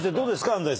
安斉さん。